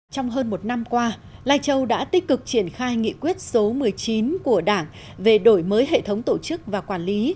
trong hơn một năm qua lai châu đã tích cực triển khai nghị quyết số một mươi chín của đảng về đổi mới hệ thống tổ chức và quản lý